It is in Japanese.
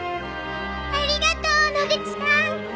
ありがとう野口さん。